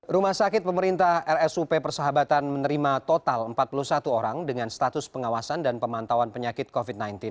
rumah sakit pemerintah rsup persahabatan menerima total empat puluh satu orang dengan status pengawasan dan pemantauan penyakit covid sembilan belas